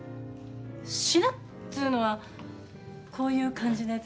しなっつうのはこういう感じのやつですよね？